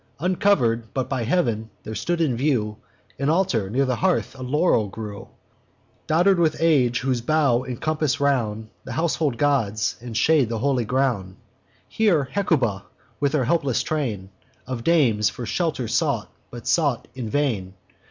Uncover'd but by heav'n, there stood in view An altar; near the hearth a laurel grew, Dodder'd with age, whose boughs encompass round The household gods, and shade the holy ground. Here Hecuba, with all her helpless train Of dames, for shelter sought, but sought in vain.